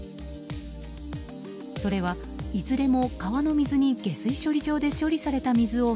それは、いずれも川の水に下水処理場で処理された水を